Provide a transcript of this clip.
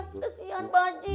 kesian pak haji